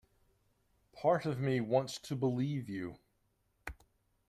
Part of me wants to believe you.